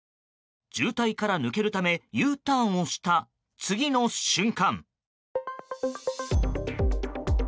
渋滞から抜けるためＵターンをした次の瞬間。